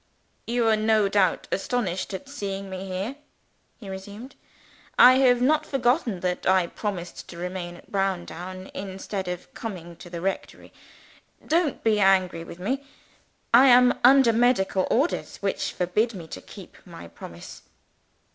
"You are no doubt astonished at seeing me here," he resumed. "I have not forgotten that I promised to remain at Browndown instead of coming to the rectory. Don't be angry with me: I am under medical orders which forbid me to keep my promise."